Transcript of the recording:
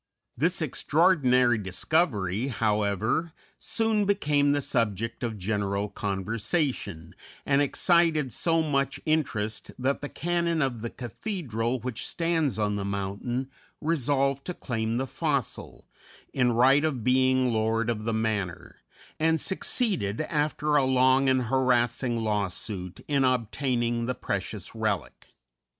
This extraordinary discovery, however, soon became the subject of general conversation, and excited so much interest that the canon of the cathedral which stands on the mountain resolved to claim the fossil, in right of being lord of the manor, and succeeded, after a long and harassing lawsuit, in obtaining the precious relic.